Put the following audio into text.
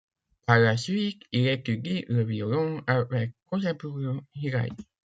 Par la suite, il étudie le violon avec Kozaburo Hirai.